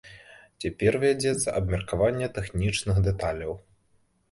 Цяпер вядзецца абмеркаванне тэхнічных дэталяў.